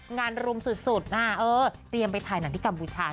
งานรุมสุดนะเออเตรียมไปถ่ายหนังที่กัมพูชา